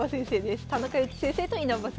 田中悠一先生と稲葉先生。